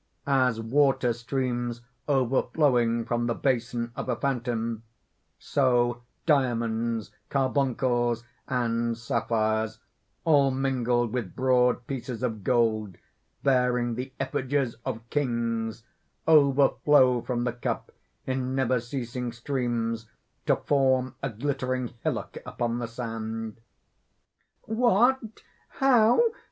As water streams overflowing from the basin of a fountain, so diamonds, carbuncles, and sapphires, all mingled with broad pieces of gold bearing the effigies of Kings, overflow from the cup in never ceasing streams, to form a glittering hillock upon the sand._) "What! how!